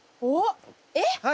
おっ！